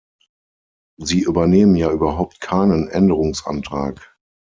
Sie übernehmen ja überhaupt keinen Änderungsantrag!